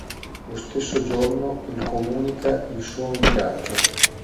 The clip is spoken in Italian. Lo stesso giorno il comunica il suo ingaggio.